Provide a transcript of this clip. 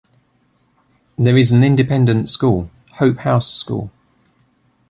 There is an independent school, Hope House School.